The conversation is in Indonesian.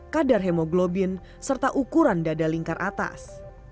kadar hemoglobin serta ukuran dada lingkar atas